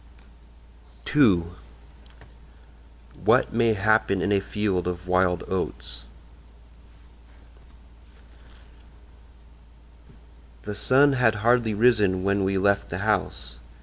II WHAT MAY HAPPEN IN A FIELD OF WILD OATS "... The sun had hardly risen when we left the house.